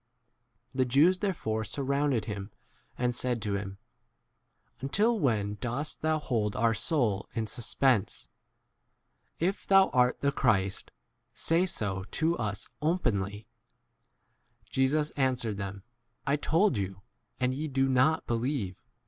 The Jews therefore surrounded him, and said to him, Until when dost thou hold our soul in suspense ? If thou * art the Christ, say [so] to us openly. 25 Jesus answered them, I told you, and ye do not believe.